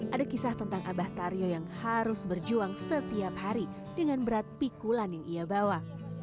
ada kisah tentang abah taryo yang harus berjuang setiap hari dengan berat pikulan yang ia bawa